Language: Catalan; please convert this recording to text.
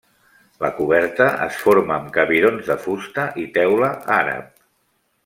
La coberta es forma amb cabirons de fusta i teula àrab.